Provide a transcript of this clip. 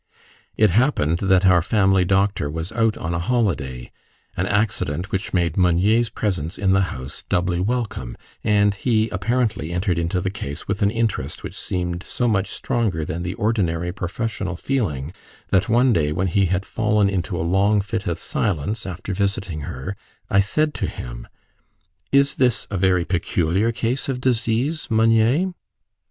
It happened that our family doctor was out on a holiday, an accident which made Meunier's presence in the house doubly welcome, and he apparently entered into the case with an interest which seemed so much stronger than the ordinary professional feeling, that one day when he had fallen into a long fit of silence after visiting her, I said to him "Is this a very peculiar case of disease, Meunier?"